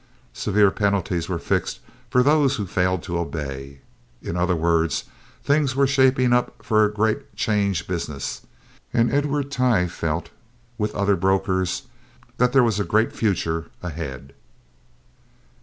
Severe penalties were fixed for those who failed to obey. In other words, things were shaping up for a great 'change business, and Edward Tighe felt, with other brokers, that there was a great future ahead.